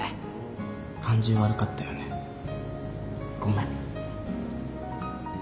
感じ悪かったよねごめん。